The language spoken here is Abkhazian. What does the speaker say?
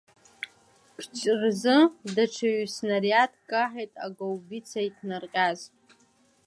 Қҷ рзы даҽа ҩҩ-снариадк каҳаит агаубица иҭнарҟьаз.